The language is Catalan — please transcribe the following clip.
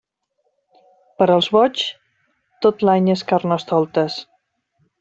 Per als boigs, tot l'any és Carnestoltes.